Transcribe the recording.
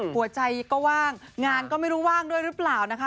หัวใจก็ว่างงานก็ไม่รู้ว่างด้วยหรือเปล่านะคะ